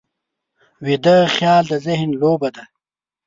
ویده خیال د ذهن لوبه ده